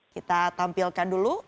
kita tampilkan dulu